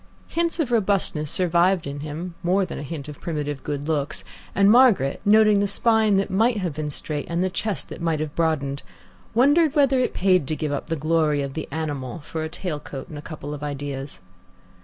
Hints of robustness survived in him, more than a hint of primitive good looks, and Margaret, noting the spine that might have been straight, and the chest that might have broadened, wondered whether it paid to give up the glory of the animal for a tail coat and a couple of ideas.